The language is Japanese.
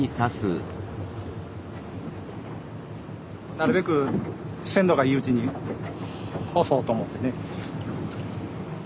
なるべく鮮度がいいうちに干そうと思ってね。